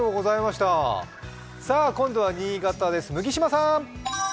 今度は新潟です、麦島さん。